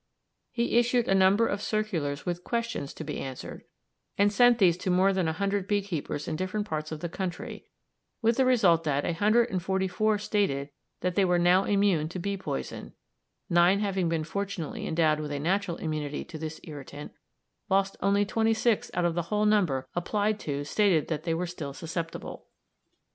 He issued a number of circulars with questions to be answered, and sent these to more than a hundred bee keepers in different parts of the country, with the result that a hundred and forty four stated that they were now immune to bee poison, nine having been fortunately endowed with a natural immunity to this irritant, whilst only twenty six out of the whole number applied to stated that they were still susceptible.